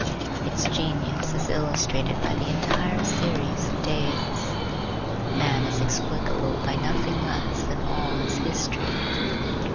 Its genius is illustrated by the entire series of days. Man is explicable by nothing less than all his history.